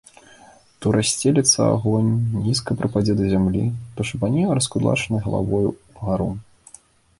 То рассцелецца агонь, нізка прыпадзе да зямлі, то шыбане раскудлачанай галавою ўгару.